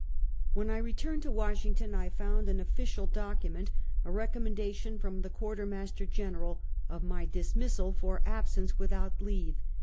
When I returned to "Washington, I found an official document, a recommendation from the Quarter Master General, of my dismissal for absence without leave.